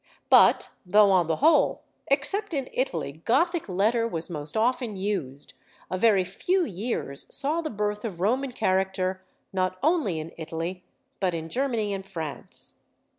But though on the whole, except in Italy, Gothic letter was most often used, a very few years saw the birth of Roman character not only in Italy, but in Germany and France.